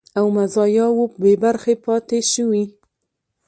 او مزایاوو بې برخې پاتې شوي